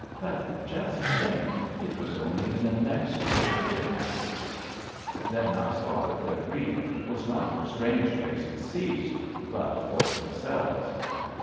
But just think — ^it was only in the next street it happened I " Then I saw that their grief was not for Strangeways, deceased, but for themselves.